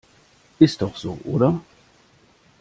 Ist doch so, oder?